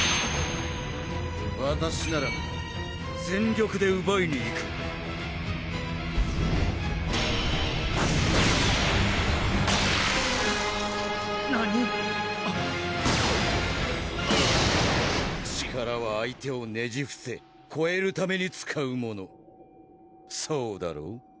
わたしなら全力でうばいにいくなに⁉力は相手をねじふせこえるために使うものそうだろ？